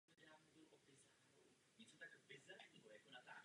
Na jedné stopě se též objevuje ženský sbor.